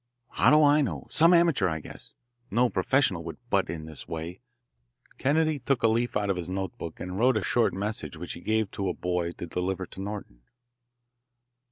"How do I know? Some amateur, I guess. No professional would butt in this way." Kennedy took a leaf out of his note book and wrote a short message which he gave to a boy to deliver to Norton.